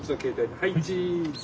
はいチーズ。